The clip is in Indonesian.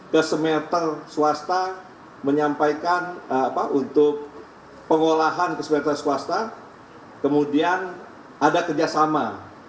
keselektif swasta menyampaikan apa untuk pengolahan keselektif swasta kemudian ada kerjasama